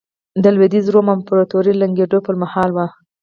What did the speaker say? د لوېدیځ روم امپراتورۍ ړنګېدو پرمهال وه.